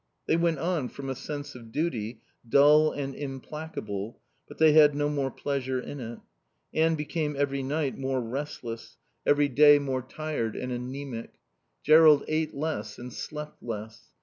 They went on from a sense of duty, dull and implacable, but they had no more pleasure in it. Anne became every night more restless, every day more tired and anaemic. Jerrold ate less and slept less.